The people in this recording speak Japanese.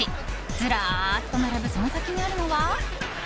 ずらっと並ぶその先にあるのは。